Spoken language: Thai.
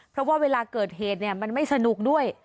เพราะว่าเวลาเกิดเหตุมันไม่สนุกด้วย